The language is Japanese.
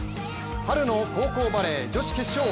春の高校バレー女子決勝。